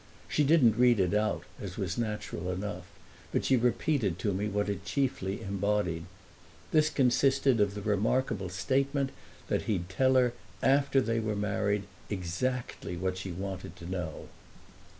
She didn't read it out, as was natural enough; but she repeated to me what it chiefly embodied. This consisted of the remarkable statement that he'd tell her after they were married exactly what she wanted to know.